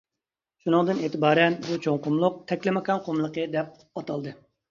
شۇنىڭدىن ئېتىبارەن بۇ چوڭ قۇملۇق «تەكلىماكان قۇملۇقى» دەپ ئاتالدى.